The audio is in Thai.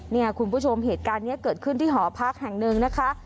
เนี่ยคุณผู้ชมเหตุการณ์นี้เกิดขึ้นที่หอพักแห่งหนึ่งนะคะ